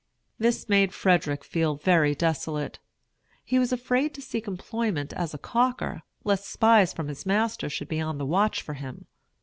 This made Frederick feel very desolate. He was afraid to seek employment as a calker, lest spies from his master should be on the watch for him.